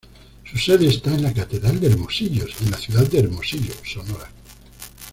Su sede está en la Catedral de Hermosillo en la ciudad de Hermosillo, Sonora.